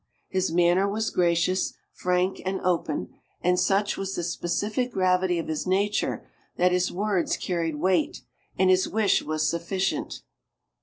His manner was gracious, frank and open, and such was the specific gravity of his nature that his words carried weight, and his wish was sufficient.